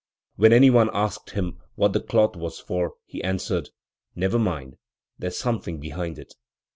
When anyone asked him what the cloth was for, he answered, 'Never mind! there's something behind it!'